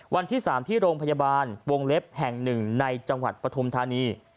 วันที่๓ที่โรงพยาบาลวงเล็บแห่ง๑ในจังหวัดปฐุมธานี